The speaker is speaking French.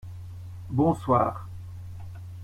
Bonsoir !